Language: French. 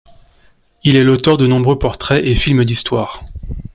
Il est l'auteur de nombreux portraits et films d'Histoire.